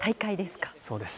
そうです。